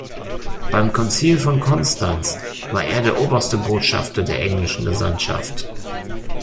Beim Konzil von Konstanz war er oberster Botschafter der englischen Gesandtschaft.